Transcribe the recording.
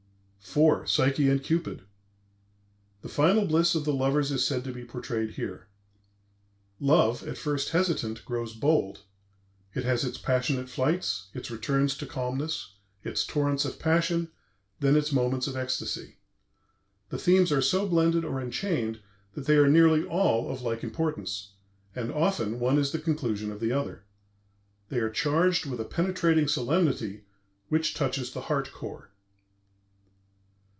IV. PSYCHE AND CUPID The final bliss of the lovers is said to be portrayed here. "Love, at first hesitant, grows bold; it has its passionate flights, its returns to calmness, its torrents of passion, then its moments of ecstasy. The themes are so blended or enchained that they are nearly all of like importance, and often one is the conclusion of the other. They are charged with a penetrating solemnity which touches the heart core."